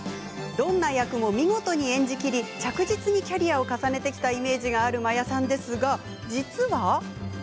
どんな役も見事に演じきり着実にキャリアを重ねてきたイメージがある真矢さんですが実は。